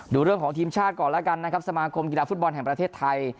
ดูเรื่องของทีมชาติก่อนแล้วกันนะครับสมาคมกีฬาฟุตบอลแห่งประเทศไทย